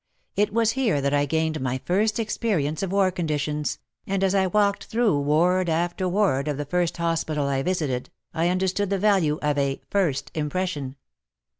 It vvas here that I gained my first experience of war conditions, and as I walked through ward after ward of the first hospital I visited, I understood the value of a first impression."